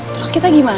terus kita gimana